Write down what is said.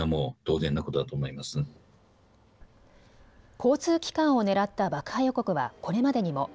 交通機関を狙った爆破予告はこれまでにも。